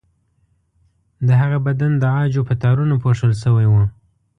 د هغه بدن د عاجو په تارونو پوښل شوی و.